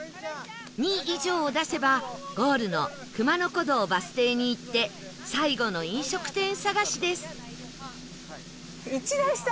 「２」以上を出せばゴールの熊野古道バス停に行って最後の飲食店探しです